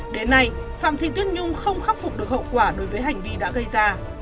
đến nay phạm thị tuyết nhung không khắc phục được hậu quả đối với hành vi đã gây ra